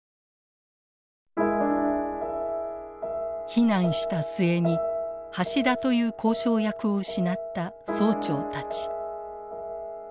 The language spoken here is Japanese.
非難した末に橋田という交渉役を失った総長たち。